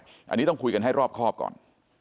อันนี้ต้องคุยกันให้รอบครอบก่อน